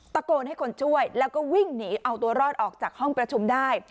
ตะโกนให้คนช่วยแล้วก็วิ่งหนีเอาตัวรอดออกจากห้องประชุมได้